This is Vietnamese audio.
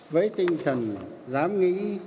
với tinh thần dám nghĩ